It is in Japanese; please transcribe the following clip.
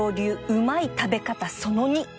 うまい食べ方其のニ